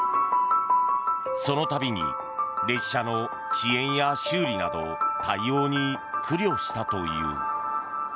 その度に列車の遅延や修理など対応に苦慮したという。